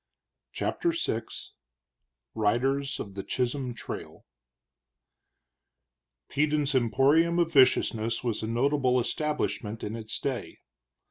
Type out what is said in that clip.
CHAPTER VI RIDERS OF THE CHISHOLM TRAIL Peden's emporium of viciousness was a notable establishment in its day.